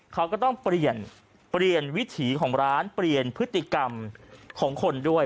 เขาก็ต้องเปลี่ยนเปลี่ยนวิถีของร้านเปลี่ยนพฤติกรรมของคนด้วย